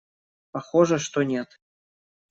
Похоже, что нет.